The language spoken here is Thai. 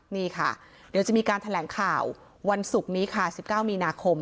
นี่ค่ะเดี๋ยวจะมีการแถลงข่าววันศุกร์นี้ค่ะ๑๙มีนาคม